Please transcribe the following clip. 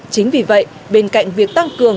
chính vì vậy bên cạnh việc tăng cường